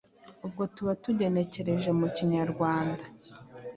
ubwo tuba tugenekereje mu Kinyarwanda.